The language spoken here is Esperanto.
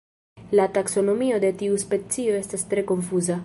La taksonomio de tiu specio estas tre konfuza.